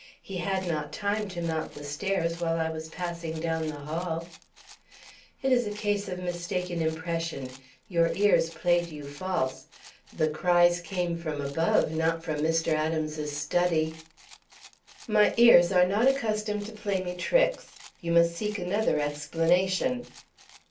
He had not time to mount the stairs while I was passing down the hall." "It is a case of mistaken impression. Your ears played you false. The cries came from above, not from Mr. Adams's study." "My ears are not accustomed to play me tricks. You must seek another explanation."